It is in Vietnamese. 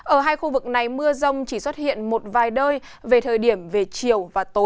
ở hai khu vực này mưa rông chỉ xuất hiện một vài đời về thời điểm về chiều